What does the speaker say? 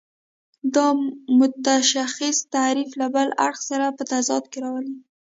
دا متشخص تعریف له بل اړخ سره په تضاد کې راولي.